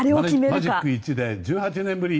マジック１で１８年ぶり。